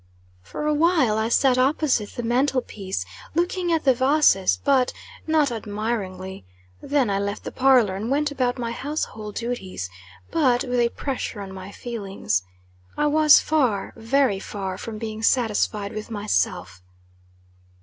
For a while I sat opposite the mantle piece, looking at the vases but, not admiringly; then I left the parlor, and went about my household duties, but, with a pressure on my feelings. I was far, very far from being satisfied with myself.